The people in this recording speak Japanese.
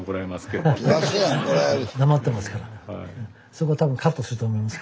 そこ多分カットすると思います。